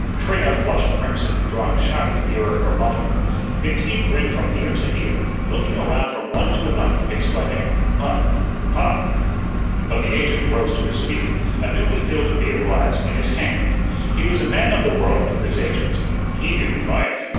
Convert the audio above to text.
Trina flushed crimson, drawing shyly nearer her mother. McTeague grinned from ear to ear, looking around from one to another, exclaiming "Huh! Huh!" But the agent rose to his feet, a newly filled beer glass in his hand. He was a man of the world, this agent. He knew life.